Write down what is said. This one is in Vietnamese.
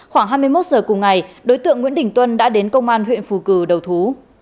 khoảng hai mươi một giờ cùng ngày đối tượng nguyễn đình tuân đã đến công an huyện phù cử đầu thú